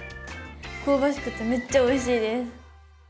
香ばしくてめっちゃおいしいです。